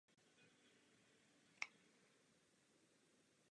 Po ukončení druhé světové války byl znárodněn a využíván jako sklad léčiv.